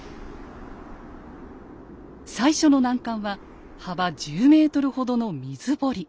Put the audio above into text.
最初の難関は幅１０ｍほどの水堀。